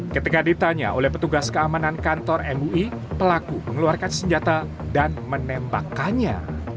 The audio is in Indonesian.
ketika ditanya oleh petugas keamanan kantor mui pelaku mengeluarkan senjata dan menembakkannya